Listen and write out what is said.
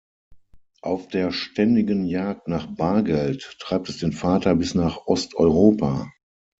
Auf der ständigen Jagd nach Bargeld treibt es den Vater bis nach Osteuropa.